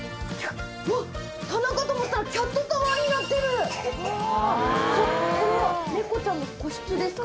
うわ棚かと思ったらキャットタワーになってるじゃあこれはネコちゃんの個室ですか？